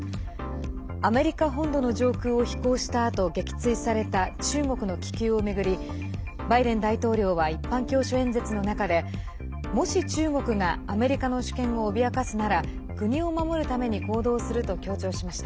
アメリカ本土の上空を飛行したあと、撃墜された中国の気球を巡りバイデン大統領は一般教書演説の中でもし、中国がアメリカの主権を脅かすなら国を守るために行動すると強調しました。